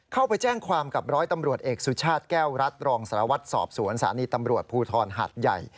เข้าไปแจ้งความกับร้อยตำรวจเอกสุชาติแก้วรัฐรองสารวัตรสอบสวนสถานีตำรวจภูทรหาดใหญ่